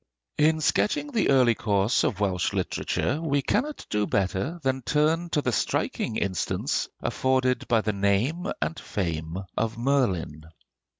In sketching the early course of Welsh literature, we cannot do better than turn to the striking instance afforded by the name and fame of Merlin.